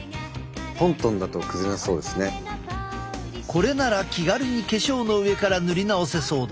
これなら気軽に化粧の上から塗り直せそうだ。